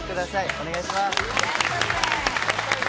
お願いします。